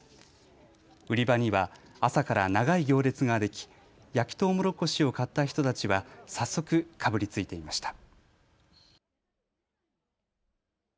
売り場には朝から長い行列ができ焼きとうもろこしを買った人たちは早速かぶりついていました。